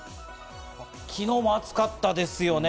昨日も暑かったですよね。